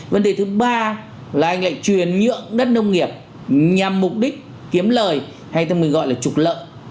vấn đề thứ ba là anh lại chuyển nhượng đất nông nghiệp nhằm mục đích kiếm lợi hay thì mình gọi là trục lợi